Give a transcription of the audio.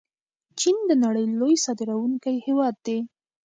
چین د نړۍ لوی صادروونکی هیواد دی.